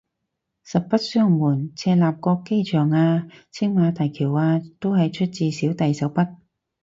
實不相瞞，赤鱲角機場啊青馬大橋啊都係出自小弟手筆